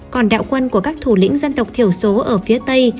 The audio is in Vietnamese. còn đạo quân của các thủ lĩnh dân tộc thiểu số ở phía tây